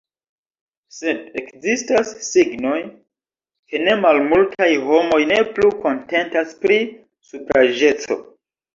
Sed ekzistas signoj, ke ne malmultaj homoj ne plu kontentas pri supraĵeco.